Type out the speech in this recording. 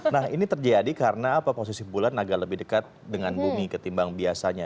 nah ini terjadi karena apa posisi bulan agak lebih dekat dengan bumi ketimbang biasanya